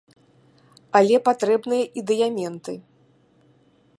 Але патрэбныя і дыяменты.